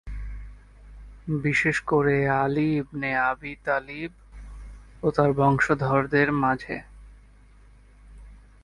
বিশেষ করে Ali ibn Abi Talib ও তার বংশধরদের মাঝে।